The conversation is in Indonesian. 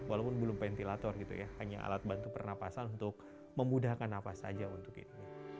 walaupun belum ventilator gitu ya hanya alat bantu pernapasan untuk memudahkan nafas saja untuk itu